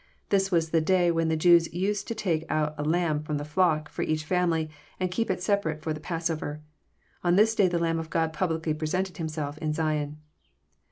This was the day when the Jews used to take out a lamb from the fiock, for each family, and to keep it separate for the passover. On this day the Lamb of God publicly presented Himself in Zion.